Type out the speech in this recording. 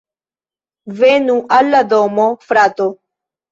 Venu al la domo, frato